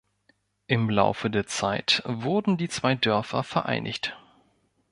Im Laufe der Zeit wurden die zwei Dörfer vereinigt.